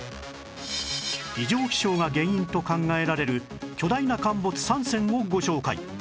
異常気象が原因と考えられる巨大な陥没３選をご紹介